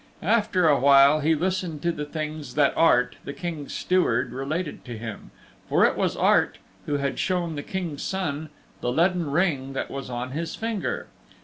After a while he listened to the things that Art, the King's Steward, related to him, for it was Art who had shown the King's Son the leaden ring that was on his finger.